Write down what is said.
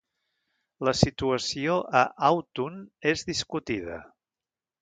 La situació a Autun és discutida.